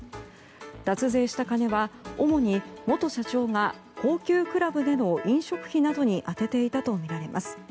脱税した金は主に元社長が高級クラブでの飲食費などに充てていたとみられます。